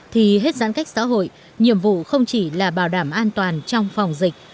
thì hết giãn cách xã hội nhiệm vụ không chỉ là bảo đảm an toàn trong phòng dịch